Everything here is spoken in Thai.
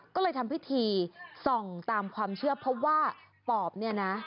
ก็เลยทำพิธีส่องตามความเชื่อเพราะว่าปอบเนี่ยนะ